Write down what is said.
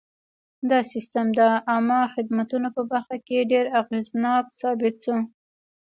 دا سیستم د عامه خدمتونو په برخه کې ډېر اغېزناک ثابت شو.